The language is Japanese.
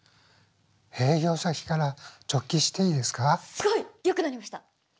すごい！良くなりました。